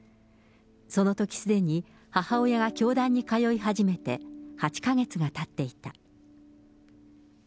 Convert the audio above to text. そのときすでに母親が教団に通い始めて８か月がたっていた。